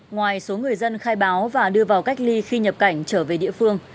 ngoài số người dân khai báo và đưa vào cách ly khi nhập cảnh trở về địa phương